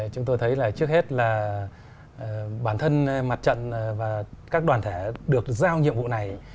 chúng tôi thấy là trước hết là bản thân mặt trận và các đoàn thể được giao nhiệm vụ này